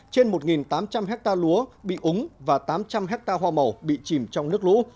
trên một tám trăm linh hectare lúa bị úng và tám trăm linh hectare hoa màu bị chìm trong nước lũ